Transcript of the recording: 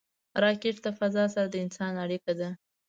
راکټ د فضا سره د انسان اړیکه ده